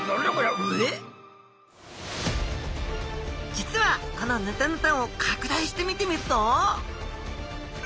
実はこのヌタヌタを拡大して見てみると。